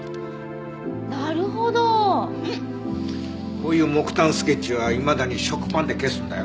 こういう木炭スケッチはいまだに食パンで消すんだよ。